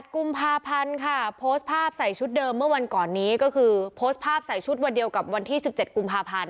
กุมภาพันธ์ค่ะโพสต์ภาพใส่ชุดเดิมเมื่อวันก่อนนี้ก็คือโพสต์ภาพใส่ชุดวันเดียวกับวันที่๑๗กุมภาพันธ์